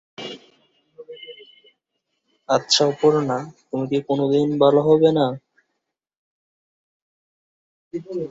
চট্টগ্রাম বিশ্ববিদ্যালয়ে অধ্যয়নকালে তিনি থিয়েটারে কাজের মাধ্যমে অভিনয়ে আত্মপ্রকাশ করেন।